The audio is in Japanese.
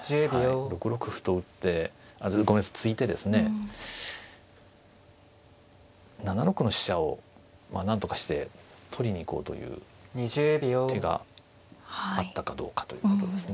６六歩と打ってごめんなさい突いてですね７六の飛車をなんとかして取りに行こうという手があったかどうかということですね。